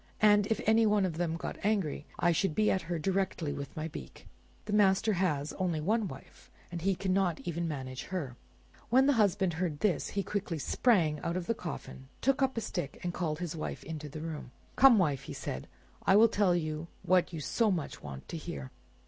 And if any one of them got angry, I should be at her directly with my beak. The master has only one wife, and he cannot even manage her." When the husband heard this he quickly sprang out of the coffin, took up a stick, and called his wife into the room. "Come, wife," he said, "I will tell you what you so much want to hear."